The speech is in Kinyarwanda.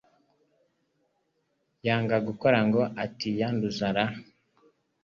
yanga gukora ngo atiyanduza ra